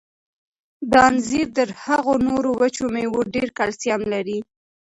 دا انځر تر هغو نورو وچو مېوو ډېر کلسیم لري.